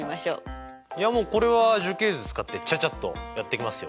いやもうこれは樹形図使ってちゃちゃっとやっていきますよ。